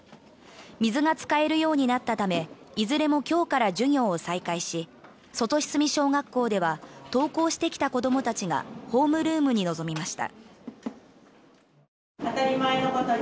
水が使えるようになったためいずれも今日から授業を再開し外日角小学校では登校してきた子どもたちがホームルームに臨みました。